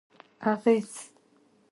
اغېز: